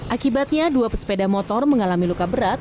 akibatnya dua pesepeda motor mengalami luka berat